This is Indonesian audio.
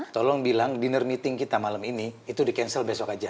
tolong bilang dinner meeting kita malam ini itu di cancel besok aja